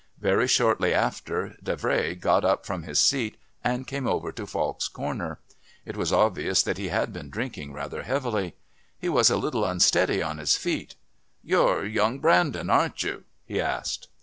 Very shortly after, Davray got up from his seat and came over to Falk's corner. It was obvious that he had been drinking rather heavily. He was a little unsteady on his feet. "You're young Brandon, aren't you?" he asked.